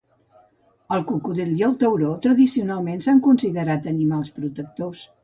El cocodril i el tauró tradicionalment s'han considerat animals protectors.